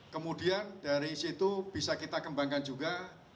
kemudian dari situ bisa kita kembangkan juga